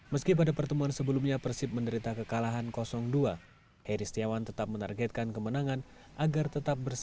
meski pada pertemuan sebelumnya persib menderita kekalahan dua heri setiawan tetap menargetkan kemenangan agar tetap bersih